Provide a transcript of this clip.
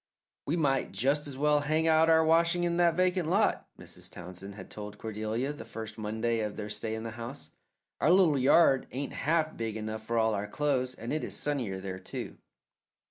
"We might just as well hang out our washing in that vacant lot," Mrs. Townsend had told Cordelia the first Monday of their stay in the house. "Our little yard ain't half big enough for all our clothes, and it is sunnier there, too."